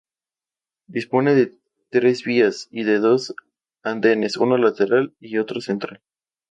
Dispone de tres vías y de dos andenes, uno lateral y otro central.